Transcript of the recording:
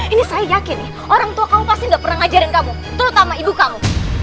ini saya yakin nih orang tua kamu pasti gak pernah ngajarin kamu terutama ibu kamu